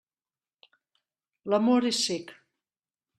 L'amor és cec.